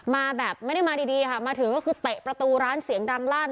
มาแบบไม่ได้มาดีค่ะมาถึงก็คือเตะประตูร้านเสียงดังลั่น